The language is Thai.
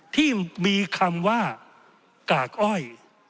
ที่มีคำว่ากากอ้อย